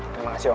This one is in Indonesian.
terima kasih om